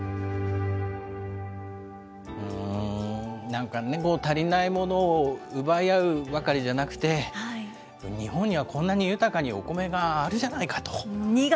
なんか、足りないものを奪い合うばかりじゃなくて、日本にはこんなに豊かにお米があるじゃないかと。